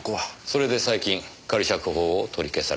それで最近仮釈放を取り消された。